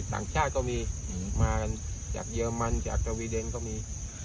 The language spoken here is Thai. ต่างชาติก็มีอืมมากันจากเยอร์มันจากก็มี